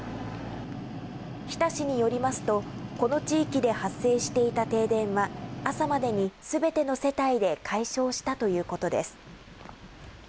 日田市によりますとこの地域で発生していた停電は朝までに全ての世帯で解消したということです。